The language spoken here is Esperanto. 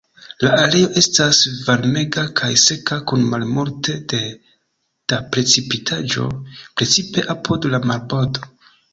La areo estas varmega kaj seka kun malmulte da precipitaĵo, precipe apud la marbordo.